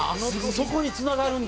そこにつながるんだまた。